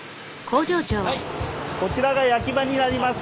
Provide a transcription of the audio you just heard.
こちらが焼き場になります。